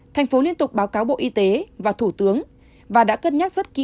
thành phố liên tục báo cáo bộ y tế và thủ tướng và đã cân nhắc rất kỹ